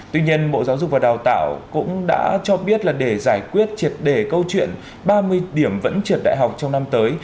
tuy nhiên bộ giáo dục và đào tạo cũng đã cho biết là để giải quyết triệt đề câu chuyện ba mươi điểm vẫn trượt đại học trong năm tới